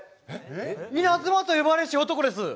稲妻と呼ばれし男です。